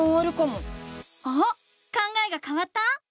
考えがかわった？